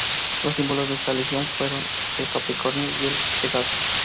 Los símbolos de esta legión fueron el capricornio y el pegaso.